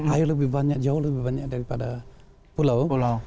air lebih banyak jauh lebih banyak daripada pulau